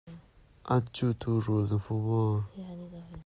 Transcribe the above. An cutu rul na hmu maw?